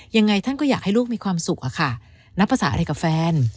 ยังไงท่านก็อยากให้ลูกมีความสุขอะค่ะนับภาษาอะไรกับแฟน